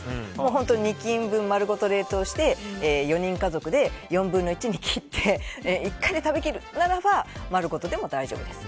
本当に２斤分、丸ごと冷凍して４人家族で４分の１に切って１回で食べきるなら丸ごとでも大丈夫です。